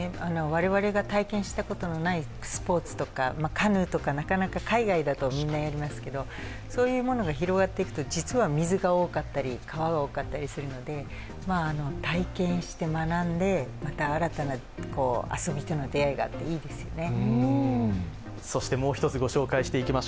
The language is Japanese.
我々が体験したことのないスポーツとか、カヌーとか、なかなか、海外だとみんなやりますけど、そういうものが広がっていくと、実は水が多かったり川が多かったりするので、体験して学んでまた新たな遊びとの出会いがあって、いいですよね。